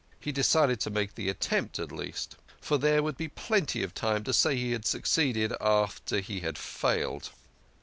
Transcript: He decided to make the attempt at least, for there would be plenty of time to say he had succeeded, after he had failed.